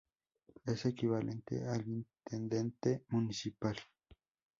Es equivalente al "Intendente municipal".